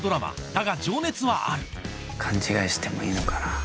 『だが、情熱はある』勘違いしてもいいのかな。